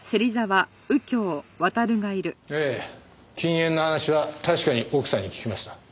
ええ禁煙の話は確かに奥さんに聞きました。